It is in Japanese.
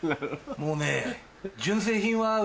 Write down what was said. もうね。